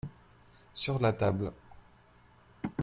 sur la table.